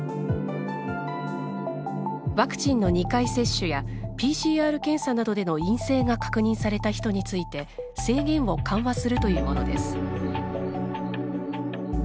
ワクチンの２回接種やＰＣＲ検査などでの陰性が確認された人について制限を緩和するというものです。